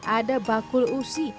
ada bakul usi